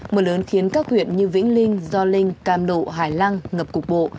mưa lớn khiến các huyện như vĩnh linh do linh cam độ hải lăng ngập cục bộ